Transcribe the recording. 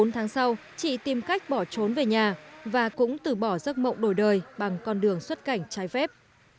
bốn tháng sau chị tìm cách bỏ trốn về nhà và cũng từ bỏ giấc mộng đổi đời bằng con đường xuất cảnh trái phép